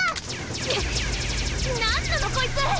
うっ何なのこいつ！